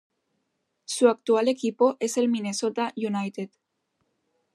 Su actual equipo es el Minnesota United.